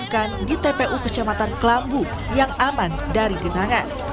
jenasa akhirnya dimakan di tpu kecamatan kelambu yang aman dari genangan